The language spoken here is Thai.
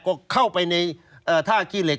ก็เข้าไปในท่าขี้เหล็